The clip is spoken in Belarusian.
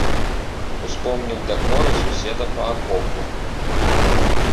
Успомніў дакоры суседа па акопу.